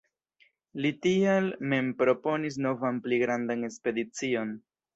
Li tial mem proponis novan pli grandan ekspedicion.